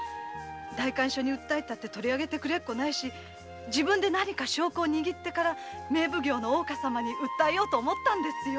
代官所だって取り上げてくれっこないし自分で証拠を握ってから大岡様に訴えようと思ったんですよ。